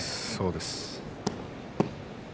そうです。